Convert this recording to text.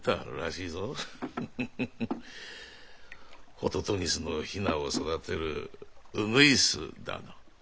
ホトトギスのヒナを育てるウグイスだな。